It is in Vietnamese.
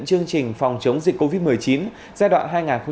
chương trình phòng chống dịch covid một mươi chín giai đoạn hai nghìn hai mươi hai